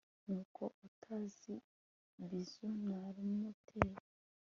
nuko utazi bizu namuteye